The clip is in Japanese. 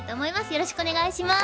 よろしくお願いします。